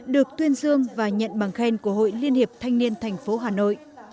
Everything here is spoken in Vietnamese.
được tuyên dương và nhận bằng khen của hội liên hiệp thanh niên thành phố hà nội